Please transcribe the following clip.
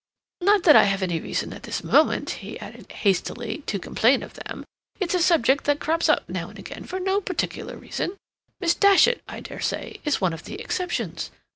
Not that I have any reason at this moment," he added hastily, "to complain of them. It's a subject that crops up now and again for no particular reason. Miss Datchet, I dare say, is one of the exceptions.